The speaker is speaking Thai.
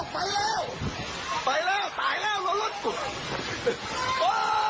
ไปแล้วไปแล้ว